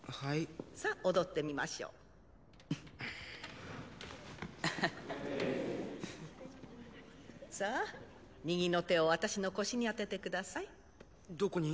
さあ踊ってみましょうさあ右の手を私の腰に当ててくださいどこに？